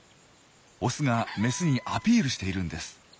オスがメスにアピールしているんです。